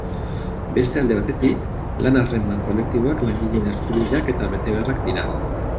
Beste alde batetik, lan-harreman kolektiboak langileen eskubideak eta betebeharrak dira.